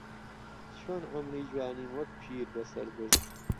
چۆن عومری جوانیم وەک پیربەسەر برد